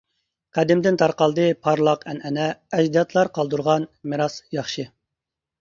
قەدىمدىن تارقالدى پارلاق ئەنئەنە، ئەجدادلار قالدۇرغان مىراسى ياخشى.